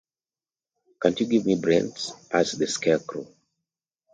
Can't you give me brains? asked the Scarecrow.